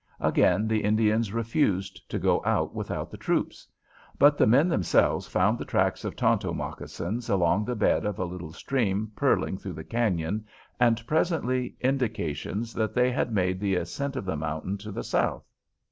Again the Indians refused to go out without the troops; but the men themselves found the tracks of Tonto moccasins along the bed of a little stream purling through the cañon, and presently indications that they had made the ascent of the mountain to the south.